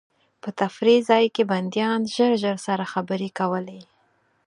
په تفریح ځای کې بندیان ژر ژر سره خبرې کولې.